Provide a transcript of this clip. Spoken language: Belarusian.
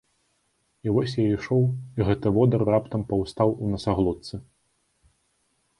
І вось я ішоў, і гэты водар раптам паўстаў у насаглотцы.